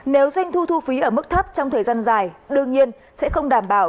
nếu doanh thu thu phí ở mức thấp trong thời gian dài đương nhiên sẽ không đảm bảo